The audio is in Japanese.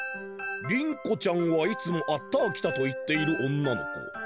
「りん子ちゃんはいつも『あったーきた』と言っている女の子。